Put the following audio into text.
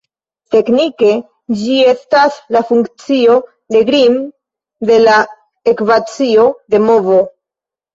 Teknike, ĝi estas la funkcio de Green de la ekvacio de movo.